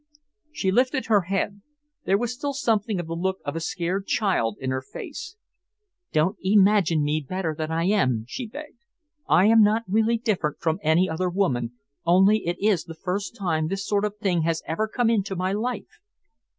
She lifted her head. There was still something of the look of a scared child in her face. "Don't imagine me better than I am," she begged. "I am not really different from any other woman, only it is the first time this sort of thing has ever come into my life."